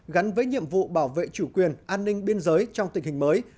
gắn với nhiệm vụ bảo vệ chủ quyền an ninh biên giới trong tình hình mới